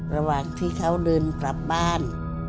ระหว่างที่เขาเดินกลับบ้าน